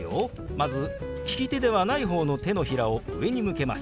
まず利き手ではない方の手のひらを上に向けます。